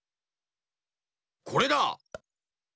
これだ！